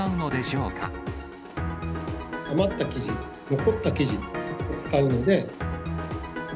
余った生地、残った生地を使うので。